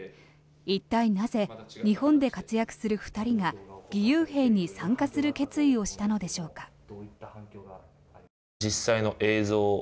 一体なぜ、日本で活躍する２人が義勇兵に参加する決意をしたのでしょうか。